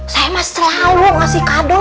saya mas selalu ngasih kado